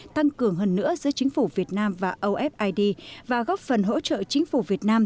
tăng cường hơn nữa giữa chính phủ việt nam và ofid và góp phần hỗ trợ chính phủ việt nam